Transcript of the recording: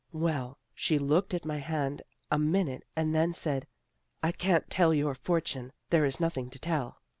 " Well, she looked at my hand a minute, and then she said, ' I can't tell your fortune. There is nothing to tell.'